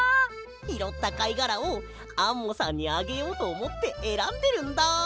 ひろったかいがらをアンモさんにあげようとおもってえらんでるんだ！